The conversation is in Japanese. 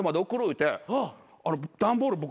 言うて段ボール